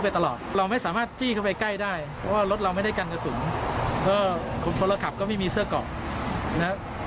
เพราะว่าคนเราขับก็ไม่มีเสื้อก่อน